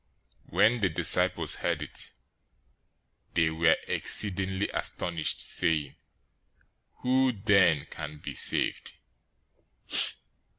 019:025 When the disciples heard it, they were exceedingly astonished, saying, "Who then can be saved?"